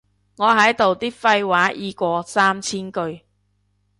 我喺度啲廢話已過三千句